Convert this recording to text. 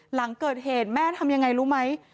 หลังเกิดเหตุแม่ทำยังไงรู้ไหม